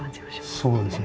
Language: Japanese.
そうですよね。